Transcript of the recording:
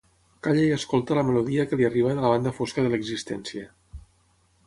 Calla i escolta la melodia que li arriba de la banda fosca de l'existència.